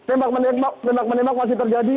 itu tembak menembak masih terjadi